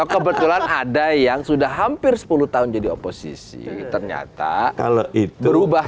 kebetulan ada yang sudah hampir sepuluh tahun jadi oposisi ternyata berubah